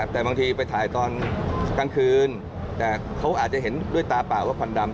แต่บางทีไปถ่ายตอนกลางคืนแต่เขาอาจจะเห็นด้วยตาเปล่าว่าควันดำ